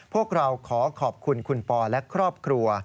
พวกเราขอขอบคุณคุณปอและครอบครัว